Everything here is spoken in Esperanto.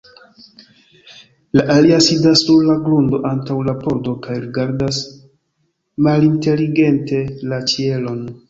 La alia sidas sur la grundo antaŭ la pordo kaj rigardas malinteligente la ĉielon.